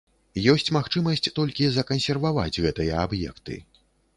Ёсць магчымасць толькі закансерваваць гэтыя аб'екты.